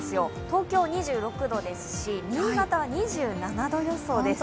東京２６度ですし、新潟は２７度予想です。